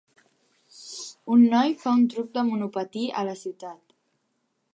Un noi fa un truc de monopatí a la ciutat.